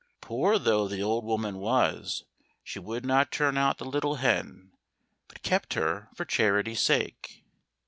Poor though the old woman was, she would not turn out the little hen, but kept her for charity's sake.